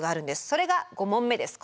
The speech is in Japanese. それが５問目です。